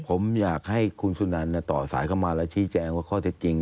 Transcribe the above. ผมอยากให้คุณสุนันต่อสายเข้ามาแล้วชี้แจงว่าข้อเท็จจริง